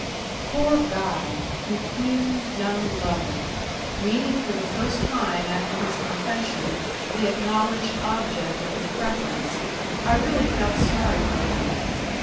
Poor Guy! confused young lover! meeting for the first time after his confession the acknowledged object of his preference I really felt sorry for him!